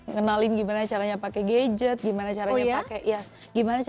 ngenalin gimana caranya pakai gadget gimana caranya pakai komputer